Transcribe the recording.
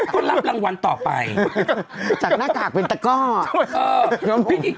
ใช่งั้นหายใจได้